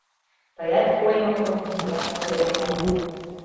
— Тыят колен отыл, мыят колен омыл...